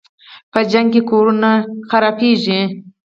په جنګ کې کورونه ورانېږي.